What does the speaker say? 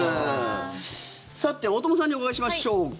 さて、大友さんにお伺いしましょうか。